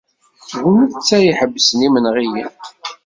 D netta i iḥebbsen imenɣiyen.